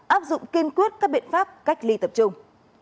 áp dụng kiên quyết các biện pháp cách ly tập trung